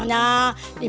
rasanya udah tiga puluh